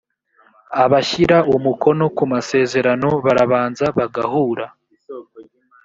abashyira umukono kumasezerano barabanza bagahura.